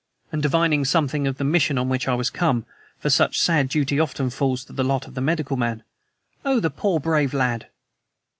And divining something of the mission on which I was come, for such sad duty often falls to the lot of the medical man: "Oh, the poor, brave lad!"